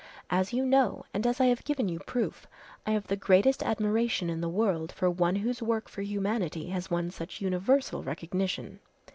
As you know, and as I have given you proof, I have the greatest admiration in the world for one whose work for humanity has won such universal recognition.